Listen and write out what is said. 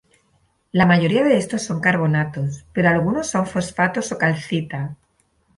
La mayoría de estos son carbonatos, pero algunos son fosfatos o calcita.